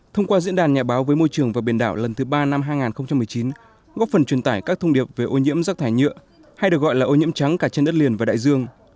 thông qua diễn đàn nhà báo với môi trường và biển đảo lần thứ ba năm hai nghìn một mươi chín góp phần truyền tải các thông điệp về ô nhiễm rác thải nhựa hay được gọi là ô nhiễm trắng cả trên đất liền và đại dương